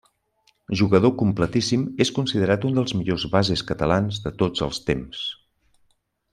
Jugador completíssim, és considerat un dels millors bases catalans de tots els temps.